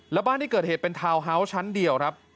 แล้วบ้านที่เกิดเหตุเป็นทาวน์ฮาวส์ชั้นเดียวครับ